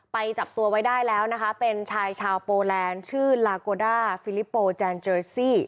จับตัวไว้ได้แล้วนะคะเป็นชายชาวโปแลนด์ชื่อลาโกด้าฟิลิปโปแจนเจอซี่